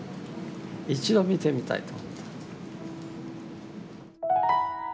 一度見てみたいと思った。